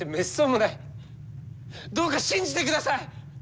どうか信じてください！